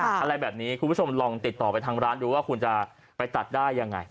อะไรแบบนี้คุณผู้ชมลองติดต่อไปทางร้านดูว่าคุณจะไปตัดได้ยังไง